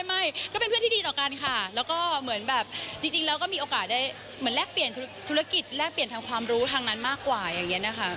ไม่ก็เป็นเพื่อนที่ดีต่อกันค่ะแล้วก็เหมือนแบบจริงแล้วก็มีโอกาสได้เหมือนแลกเปลี่ยนธุรกิจแลกเปลี่ยนทางความรู้ทางนั้นมากกว่าอย่างนี้นะคะ